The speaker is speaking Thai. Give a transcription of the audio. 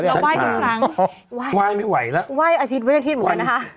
ไหว้ทุกครั้งไหว้ไม่ไหวแล้วไหว้อาทิตยอาทิตย์เหมือนกันนะคะ